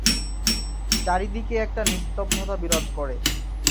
চারিদিকে একটা নিস্তব্ধতা বিরাজ করে।